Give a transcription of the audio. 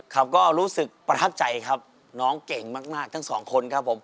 ครับก็รู้สึกประทับใจครับน้องเก่งมากทั้งสองคนครับผม